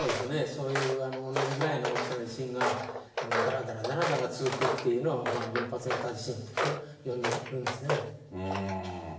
そういう同じぐらいの大きさの地震が、だらだらだらだら続くっていうのを、群発型地震と呼んでるんですね。